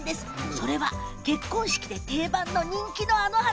それは結婚式で定番の人気のあの花。